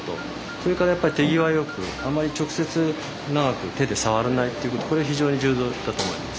それからやっぱり手際よくあんまり直接長く手で触らないっていうことこれ非常に重要だと思います。